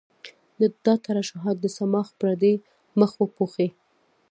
دا ترشحات د صماخ پردې مخ وپوښي.